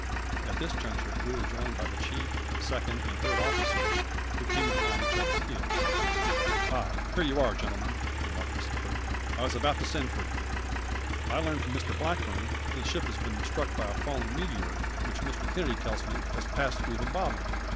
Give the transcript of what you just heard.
At this juncture we were joined by the chief, second, and third officers, who came upon each other's heels. "Ah! here you are, gentlemen," remarked the skipper. "I was about to send for you. I learn from Mr Blackburn that the ship has been struck by a falling meteor which, Mr Kennedy tells me, has passed through her bottom.